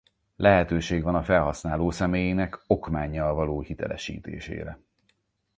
Lehetőség van a felhasználó személyének okmánnyal való hitelesítésére.